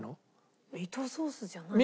ミートソースじゃないのかな？